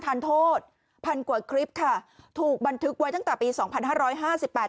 ทานโทษพันกว่าคลิปค่ะถูกบันทึกไว้ตั้งแต่ปีสองพันห้าร้อยห้าสิบแปด